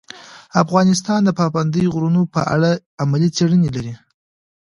افغانستان د پابندی غرونه په اړه علمي څېړنې لري.